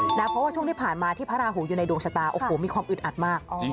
เพราะว่าช่วงที่ผ่านมาที่พระราหูอยู่ในดวงชะตาโอ้โหมีความอึดอัดมาก